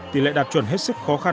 tỉ lệ đạt chuẩn hết sức khó khăn